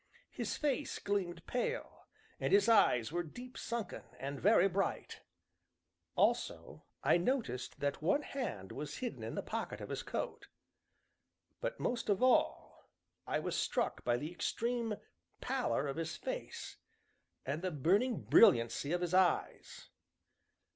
His face gleamed pale, and his eyes were deep sunken, and very bright; also, I noticed that one hand was hidden in the pocket of his coat. But most of all, I was struck by the extreme pallor of his face, and the burning brilliancy of his eyes.